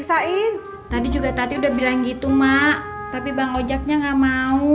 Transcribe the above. sampai jumpa di video selanjutnya